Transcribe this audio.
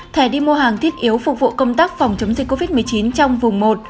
thẻ đi mua hàng thiết yếu phục vụ công tác phòng chống dịch covid một mươi chín trong vùng một